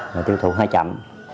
mà tiêu thụ hơi chậm